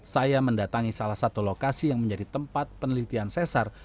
saya mendatangi salah satu lokasi yang menjadi tempat penelitian sesar